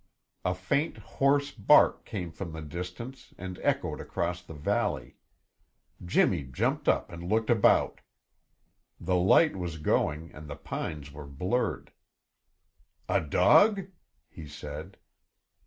A faint, hoarse bark came from the distance and echoed across the valley. Jimmy jumped up and looked about. The light was going and the pines were blurred. "A dog?" he said.